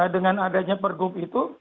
dengan adanya pergub itu